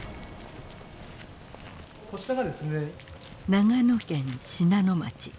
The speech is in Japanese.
長野県信濃町。